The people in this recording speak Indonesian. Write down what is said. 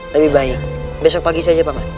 lebih baik besok pagi saja pak